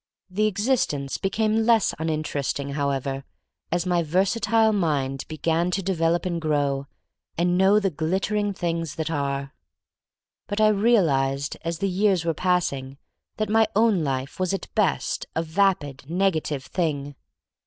The existence became less uninterest ing, however, as my versatile mind be gan to develop and grow and know the THE STORY OF MARY MAC LANE Q glittering things that are. But I real ized as the years were passing that my own life was at best a vapid, negative thing.